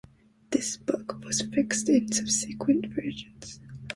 This bug was fixed in subsequent versions.